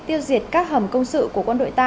tiêu diệt các hầm công sự của quân đội ta